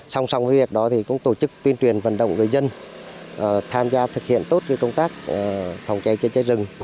xong xong việc đó cũng tổ chức tuyên truyền vận động người dân tham gia thực hiện tốt công tác phòng cháy cháy rừng